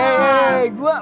eh masih liat kok